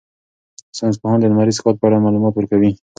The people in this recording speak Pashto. ساینس پوهان د لمریز کال په اړه معلومات ورکوي.